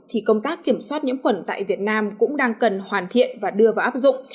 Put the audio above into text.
thì công tác kiểm soát nhiễm khuẩn tại việt nam cũng đang cần hoàn thiện và đưa vào áp dụng